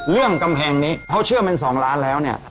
เรื่องกำแพงนี้เขาเชื่อมเป็นสองร้านแล้วเนี่ย